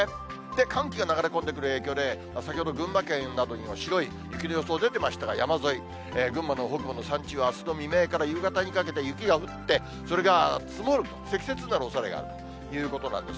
寒気が流れ込んでくる影響で先ほど、群馬県などにも白い雪の予想出てましたが、山沿い、群馬の北部の山地はあすの未明から夕方にかけて雪が降って、それが積もる、積雪になるおそれがあるということなんです。